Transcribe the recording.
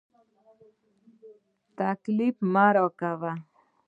تکليف مه راکوه.